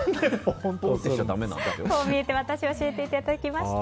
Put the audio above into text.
こう見えてワタシ教えていただきました。